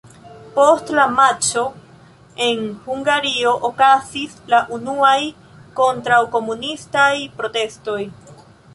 Post la matĉo en Hungario okazis la unuaj kontraŭ-komunistaj protestoj.